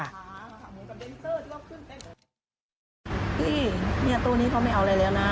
พี่เนี่ยตู้นี้เขาไม่เอาอะไรแล้วนะ